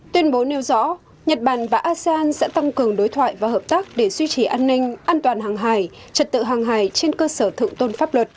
tuyên bố nêu rõ nhật bản và asean sẽ tăng cường đối thoại và hợp tác để duy trì an ninh an toàn hàng hài trật tự hàng hải trên cơ sở thượng tôn pháp luật